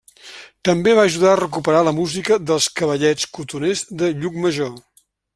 També va ajudar a recuperar la música dels cavallets cotoners de Llucmajor.